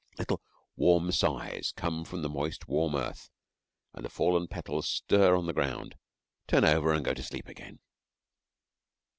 Little, warm sighs come up from the moist, warm earth, and the fallen petals stir on the ground, turn over, and go to sleep again.